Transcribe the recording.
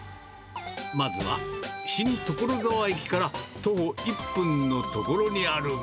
まずは新所沢駅から徒歩１分の所